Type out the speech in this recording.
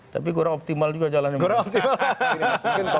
tapi kurang optimal juga jalan yang baik